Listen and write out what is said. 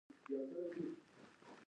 د کیفیت قرباني مه ورکوه.